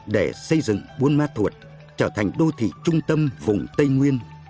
để xây dựng buôn ma thuột trở thành đô thị trung tâm vùng tây nguyên